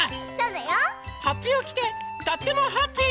はっぴをきてとってもハッピー！